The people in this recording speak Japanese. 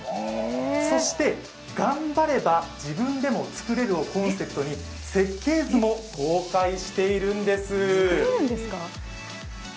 そして、頑張れば自分でも作れるをコンセプトに、設計図も公開しているんです。